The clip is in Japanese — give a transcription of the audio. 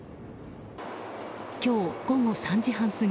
今日、午後３時半過ぎ